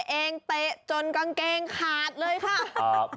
เตะเองเตะจนกางเกงขาดเลยค่ะ